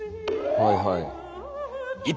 はいはい。